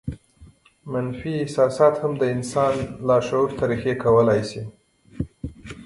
منفي احساسات هم د انسان لاشعور ته رېښې کولای شي